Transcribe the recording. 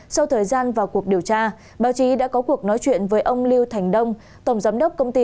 sau thời gian vào cuộc điều tra báo chí đã có cuộc nói chuyện với ông lưu thành đông tổng giám đốc công ty